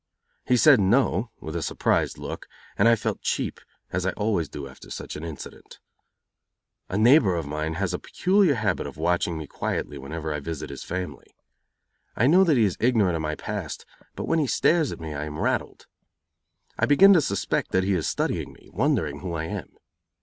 He said "No", with a surprised look, and I felt cheap, as I always do after such an incident. A neighbor of mine has a peculiar habit of watching me quietly whenever I visit his family. I know that he is ignorant of my past but when he stares at me, I am rattled. I begin to suspect that he is studying me, wondering who I am.